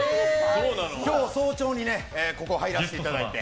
早朝にここ入らせていただいて。